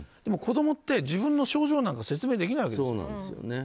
子供って自分の症状なんか説明できないわけですよ。